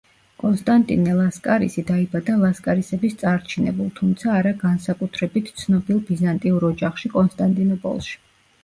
კონსტანტინე ლასკარისი დაიბადა ლასკარისების წარჩინებულ, თუმცა არა განსაკუთრებით ცნობილ ბიზანტიურ ოჯახში კონსტანტინოპოლში.